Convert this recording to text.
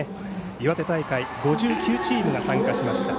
岩手大会５９チームが参加しました。